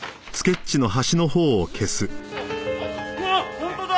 あっ本当だ！